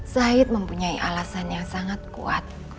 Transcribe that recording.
said mempunyai alasan yang sangat kuat